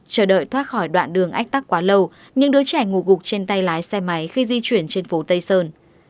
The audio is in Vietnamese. chờ đợi thoát khỏi đoạn đường ách tắc quá lâu những đứa trẻ ngủ gục trên tay lái xe máy khi di chuyển trên phố tây sơn